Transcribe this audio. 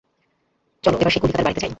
শচীশকে বলিলাম, চলো এবার সেই কলিকাতার বাড়িতে।